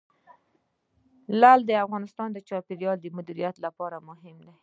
لعل د افغانستان د چاپیریال د مدیریت لپاره مهم دي.